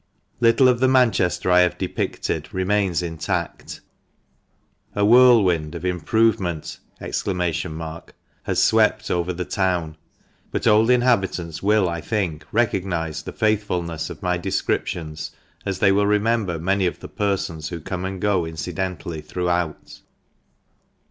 Little of the Manchester I have depicted remains intact, a whirlwind of improvement (!) has swept over the town, but old inhabitants will, I think, recognise the faithfulness of my descriptions, as they will remember many of the persons who come and go incidentally throughout.